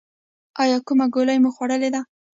ایا کومه ګولۍ مو خوړلې ده؟